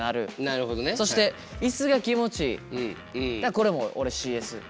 これも俺ＣＳ。